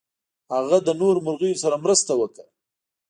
هغه د نورو مرغیو سره مرسته وکړه.